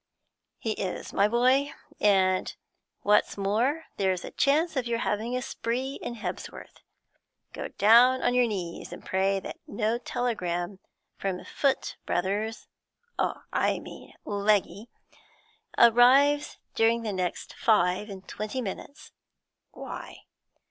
'He is, my boy. And what's more, there's a chance of your having a spree in Hebsworth. Go down on your knees and pray that no telegram from Foot Brothers I mean, Legge arrives during the next five and twenty minutes.' 'Why?'